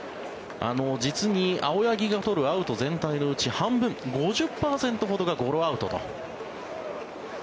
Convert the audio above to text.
実に青柳が取るアウト全体のうち半分５０％ほどがゴロアウトと。